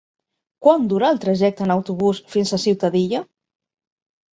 Quant dura el trajecte en autobús fins a Ciutadilla?